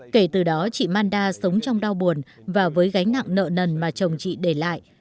kể từ đó chị manda sống trong đau buồn và với gánh nặng nợ nần mà chồng chị để lại